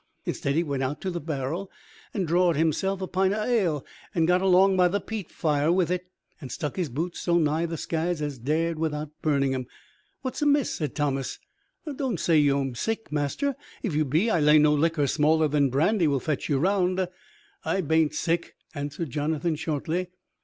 Instead, he went out to the barrel and drawed himself a pint of ale, and got along by the peat fire with it, and stuck his boots so nigh the scads as he dared without burning 'em. "What's amiss?" said Thomas. "Don't say you'm sick, master. And if you be, I lay no liquor smaller than brandy will fetch you round." "I ban't sick," answered Jonathan shortly.